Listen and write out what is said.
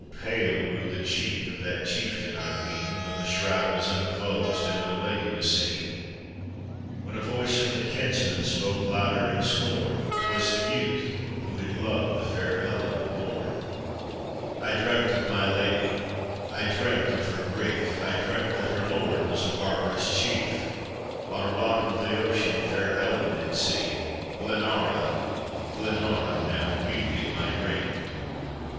pale grew the cheek of that chieftain, I ween, When the shroud wan unclosed, and no lady was seen; When a voice from the klnmnen spoke louder in scorn, 'Twas the youth who had loved the fair Ellen of Lorn :" I dreamt of my lady, I dreamt of her grief. I dreamt that her lord was a barbarous chief; On a rock of the ocean fair Kllen did seem; Glenara! Glenara! now read me my dream!"